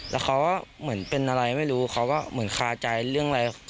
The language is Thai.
แล้วเขาก็เหมือนเป็นอะไรไม่รู้เขาก็เหมือนคาใจเรื่องอะไร